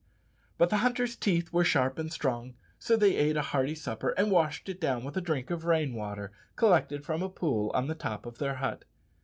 But the hunters' teeth were sharp and strong, so they ate a hearty supper and washed it down with a drink of rain water collected from a pool on the top of their hut.